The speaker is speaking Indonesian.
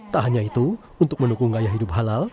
tak hanya itu untuk mendukung gaya hidup halal